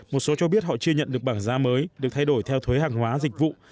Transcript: một số cho biết họ chưa nhận được bảng giá mới được thay đổi theo thuế hàng hóa dịch vụ